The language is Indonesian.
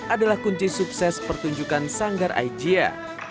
adalah kunci sukses pertunjukan sanggar aijia